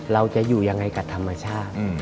เราจะอยู่ยังไงกับธรรมชาติ